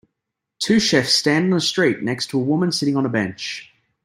Two chefs stand on a street next to a woman sitting on a bench.